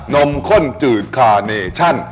นมข้นจืดคาเนชั่น